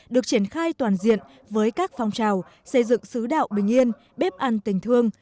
được triển khai toàn diện với các phong trào xây dựng xứ đạo bình yên bếp ăn tình thương